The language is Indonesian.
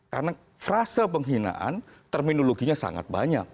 karena frase penghinaan terminologinya sangat banyak